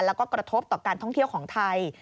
แล้วก็กระทบต่อการท่องเที่ยวของไทย